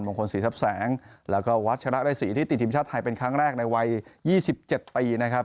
มงคลศรีซับแสงแล้วก็วัสด์ชะระได้สี่ที่ติดทิมชาติไทยเป็นครั้งแรกในวัยยี่สิบเจ็ดปีนะครับ